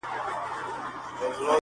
خو په كور كي د شيطان لكه زمرى وو -